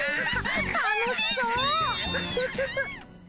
楽しそう！